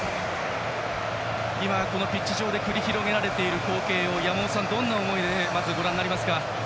今、ピッチ上で繰り広げられている光景を山本さん、どんな思いでご覧になりますか。